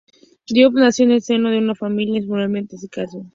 Diop nació en el seno de una familia musulmana en Sikasso.